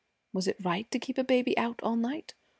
Was it right to keep a baby out all night?